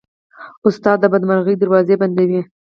استاد د بدمرغۍ دروازې بندوي.